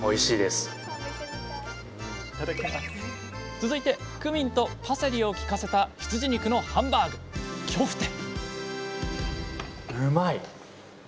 続いてクミンとパセリをきかせた羊肉のハンバーグ「キョフテ」